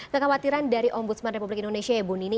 kekhawatiran dari ombudsman republik indonesia ya bu nini